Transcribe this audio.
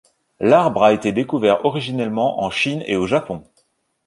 L'arbre a été découvert originellement en Chine et au Japon.